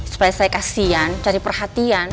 supaya saya kasihan cari perhatian